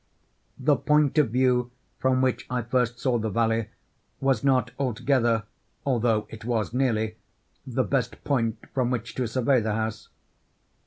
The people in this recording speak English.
The point of view from which I first saw the valley, was not altogether, although it was nearly, the best point from which to survey the house.